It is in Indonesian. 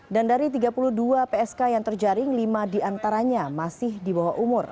dan dari tiga puluh dua psk yang terjaring lima di antaranya masih di bawah umur